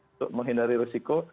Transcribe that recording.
untuk menghindari risiko